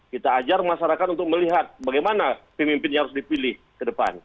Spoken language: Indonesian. kita ajar masyarakat untuk melihat bagaimana pemimpin yang harus dipilih ke depan